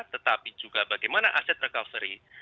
tetapi juga bagaimana aset recovery